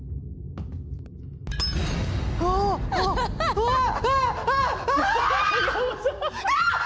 うわっ！